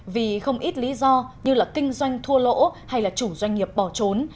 vì không ít lý do như là kinh doanh thua lỗ hay là chủ doanh nghiệp bỏ trốn